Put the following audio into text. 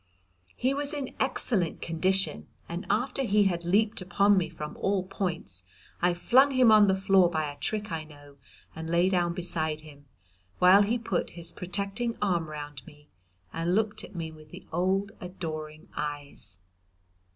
He was in excellent condition, and after he had leaped upon me from all points I flung him on the floor by a trick I know, and lay down beside him, while he put his protecting arm round me and looked at me with the old adoring eyes.